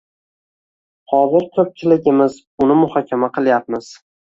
Hozir ko‘pchiligimiz uni muhokama qilyapmiz.